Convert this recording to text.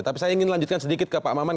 tapi saya ingin lanjutkan sedikit ke pak maman